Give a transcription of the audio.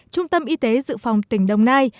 trung tâm y tế dự phòng tỉnh đồng nai